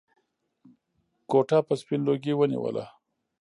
کوټه به سپين لوګي ونيوله.